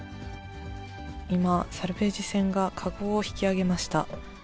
今、サルベージ船が籠を引き揚げました。